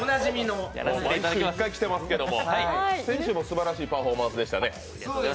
毎週１回、来てますけど、先週もすばらしいパフォーマンスでしたね。